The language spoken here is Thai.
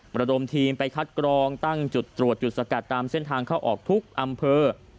ระดมทีมไปคัดกรองตั้งจุดตรวจจุดสกัดตามเส้นทางเข้าออกทุกอำเภอ